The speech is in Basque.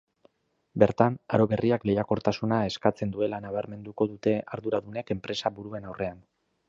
Bertan, aro berriak lehiakortasuna eskatzen duela nabarmenduko dute arduradunek enpresa buruen aurrean.